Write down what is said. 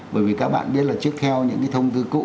bởi vì các bạn biết là trước theo những cái thông tư cũ